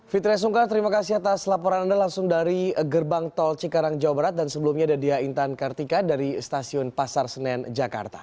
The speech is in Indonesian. fitriah sungkar terima kasih atas laporan anda langsung dari gerbang tol cikarang jawa barat dan sebelumnya dia intan kartika dari stasiun pasar senen jakarta